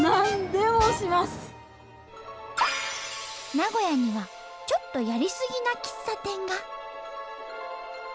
名古屋にはちょっとやりすぎな喫茶店が。